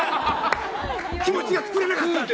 気持ちが作れなかった！って。